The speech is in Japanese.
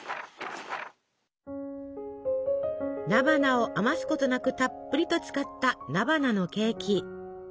菜花を余すことなくたっぷりと使った菜花のケーキ。